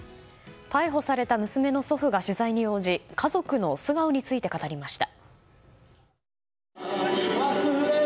逮捕された娘の祖父が取材に応じ家族の素顔について語りました。